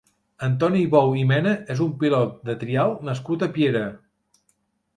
Antoni Bou i Mena és un pilot de trial nascut a Piera.